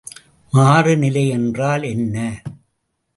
மாறுநிலை என்றால் என்ன?